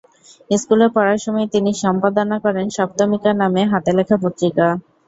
স্কুলে পড়ার সময়ই তিনি সম্পাদনা করেন সপ্তমিকা নামে হাতে লেখা পত্রিকা।